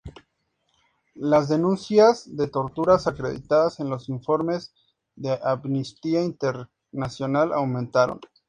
Las denuncias de torturas acreditadas en los informes de Amnistía Internacional aumentaron.